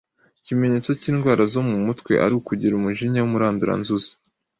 kimenyetso cy’indwara zo mu mutwe ari ukugira umujinya w’umuranduranzuzi.